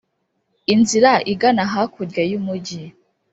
inzira igana hakurya y'umujyi